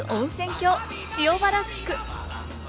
郷塩原地区。